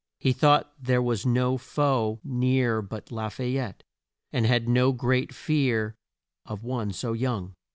He thought there was no foe near but La fay ette, and he had no great fear of one so young.